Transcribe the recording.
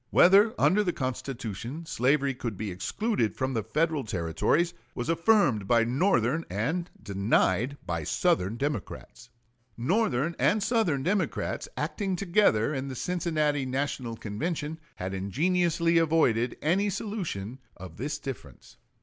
Whether under the Constitution slavery could be excluded from the Federal Territories was affirmed by Northern and denied by Southern Democrats. Northern and Southern Democrats, acting together in the Cincinnati National Convention, had ingeniously avoided any solution of this difference.